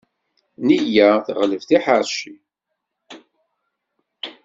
Nneyya teɣleb tiḥeṛci.